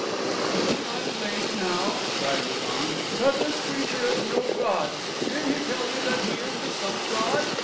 "Is it not plain now," cried Lu don, "that this creature is no god. Did he tell you that he was the son of god?"